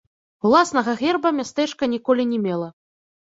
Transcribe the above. Уласнага герба мястэчка ніколі не мела.